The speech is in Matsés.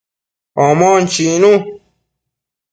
Omon chicnu